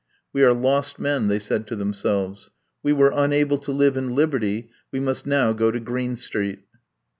"We are lost men," they said to themselves. "We were unable to live in liberty; we must now go to Green Street."